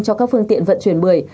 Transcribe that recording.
cho các phương tiện vận chuyển bưởi